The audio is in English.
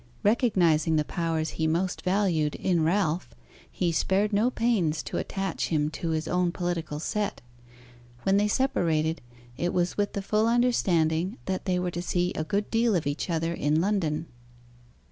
Recognising the powers he most valued in Ralph, he spared no pains to attach him to his own political set. When they separated, it was with the full understanding that they were to see a good deal of each other in London.